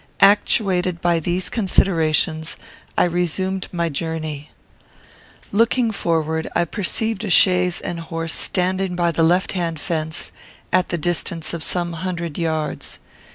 Actuated by these considerations, I resumed my journey. Looking forward, I perceived a chaise and horse standing by the left hand fence, at the distance of some hundred yards.